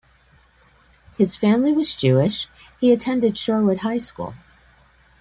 His family was Jewish; he attended Shorewood High School.